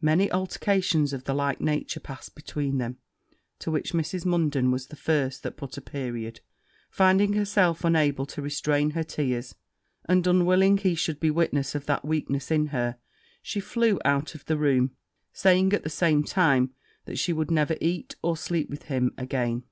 Many altercations of the like nature passed between them; to which Mrs. Munden was the first that put a period: finding herself unable to restrain her tears, and unwilling he should be witness of that weakness in her, she flew out of the room, saying at the same time, that she would never eat, or sleep with him again.